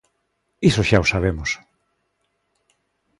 Iso xa o sabemos.